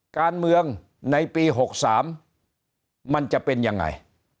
การเมืองในปี๖๓มันจะเป็นยังไง